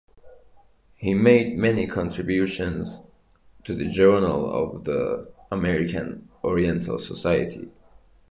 He made many contributions to the "Journal" of the American Oriental Society.